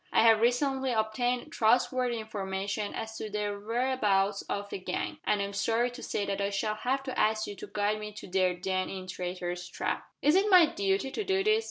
I have recently obtained trustworthy information as to the whereabouts of the gang, and I am sorry to say that I shall have to ask you to guide me to their den in Traitor's Trap." "Is it my duty to do this?"